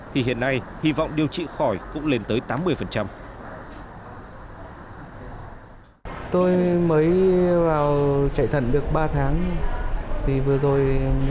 thì hiện nay hy vọng điều trị khỏi cũng lên tới tám mươi